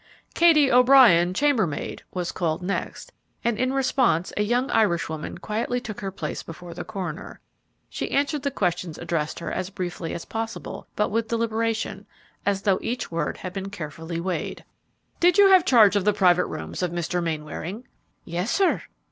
"Katie O'Brien, chambermaid," was next called; and in response a young Irish woman quietly took her place before the coroner. She answered the questions addressed her as briefly as possible, but with deliberation, as though each word had been carefully weighed. "Did you have charge of the private rooms of Mr. Mainwaring?" "Yes, sir."